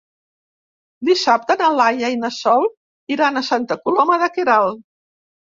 Dissabte na Laia i na Sol iran a Santa Coloma de Queralt.